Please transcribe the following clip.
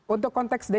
untuk konteks dki